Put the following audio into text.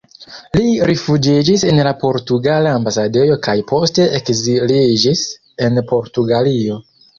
Li rifuĝiĝis en la portugala ambasadejo kaj poste ekziliĝis en Portugalio.